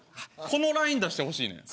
このライン出してほしいねん。